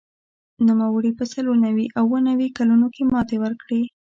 نوموړي په څلور نوي او اووه نوي کلونو کې ماتې ورکړې